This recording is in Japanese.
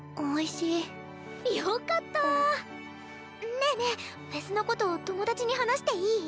ねえねえフェスのこと友達に話していい？